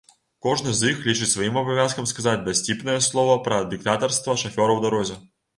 Кожны з іх лічыць сваім абавязкам сказаць дасціпнае слова пра дыктатарства шафёра ў дарозе.